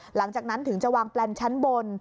หลังจากนั้นถึงจะวางแปลนชั้นบน